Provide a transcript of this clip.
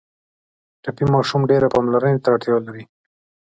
ټپي ماشوم ډېر پاملرنې ته اړتیا لري.